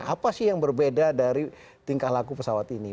apa sih yang berbeda dari tingkah laku pesawat ini